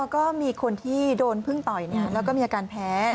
ก็มีคนที่โดนพึ่งต่อยแล้วก็มีอาการแพ้